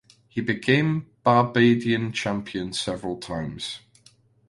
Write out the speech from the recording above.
He became Barbadian champion several times.